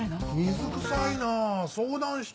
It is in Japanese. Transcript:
水くさいな相談してよ。